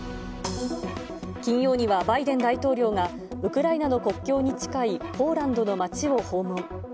金曜には、バイデン大統領が、ウクライナの国境に近いポーランドの町を訪問。